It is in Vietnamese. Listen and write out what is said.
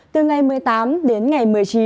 từ ngày một mươi tám đến ngày một mươi chín